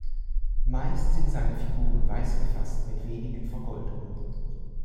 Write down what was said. Meist sind seine Figuren weiß gefasst mit wenigen Vergoldungen.